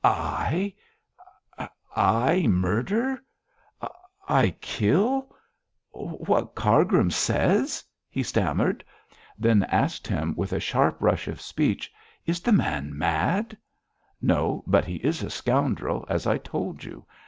'I I murder I kill what Cargrim says,' he stammered; then asked him with a sharp rush of speech, 'Is the man mad?' 'No; but he is a scoundrel, as I told you.